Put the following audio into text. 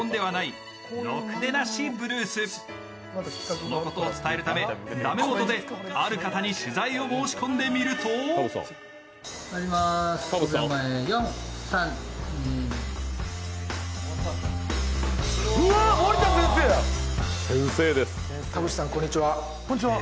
そのことを伝えるため、ダメ元である方に取材を申し込んでみるとうわっ、森田先生！